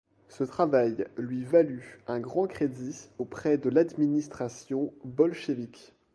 Ce travail lui valut un grand crédit auprès de l'administration bolchévique.